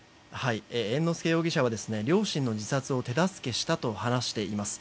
猿之助容疑者は両親の自殺を手助けしたと話しています。